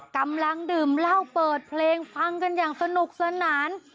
กำลังดื่มเหล้าเปิดเพลงฟังกันอย่างสนุกสนาน